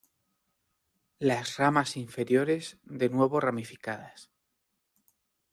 Las ramas inferiores de nuevo ramificadas.